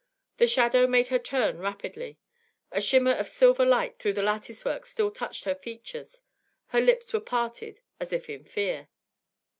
The shadow made her turn rapidly; a shimmer of silver light through the lattice work still touched her features; her lips were parted as if in fear.